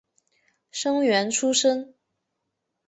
生员出身。